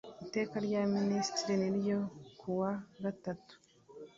Iteka rya minisitiri niryo ku wa gatatu